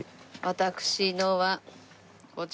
私のは。